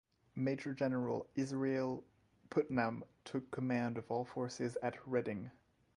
Major General Israel Putnam took command of all forces at Redding.